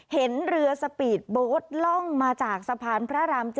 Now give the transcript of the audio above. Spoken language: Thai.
เห็นเรือสปีดโบสต์ล่องมาจากสะพานพระราม๗